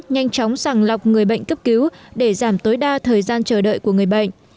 nhanh chóng sàng lọc người bệnh cấp cứu để giảm tối đa thời gian chờ đợi của người bệnh